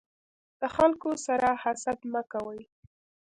د خلکو سره حسد مه کوی.